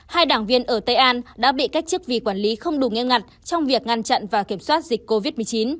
hai đảng viên ở tây an đã bị cách chức vì quản lý không đủ nghiêm ngặt trong việc ngăn chặn và kiểm soát dịch covid một mươi chín